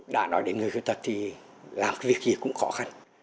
đã nói đến người khuyết tật thì làm cái việc gì cũng khó khăn